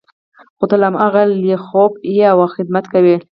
خو ته لا هم هماغه لیاخوف یې او خدمت کوې